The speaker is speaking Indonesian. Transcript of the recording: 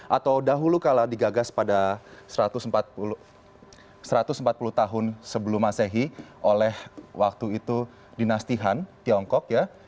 atau dahulu kala digagas pada satu ratus empat puluh tahun sebelum masehi oleh waktu itu dinastihan tiongkok ya